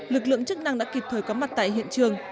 lực lượng chức năng đã kịp thời có mặt tại hiện trường